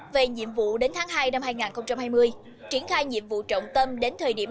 về nhiệm vụ đến tháng hai năm hai nghìn hai mươi triển khai nhiệm vụ trọng tâm đến thời điểm